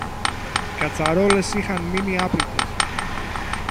Οι κατσαρόλες είχαν μείνει άπλυτες